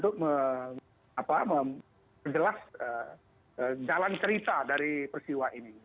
tetapi juga akan menariknya untuk menjelaskan jalan cerita dari perciwa ini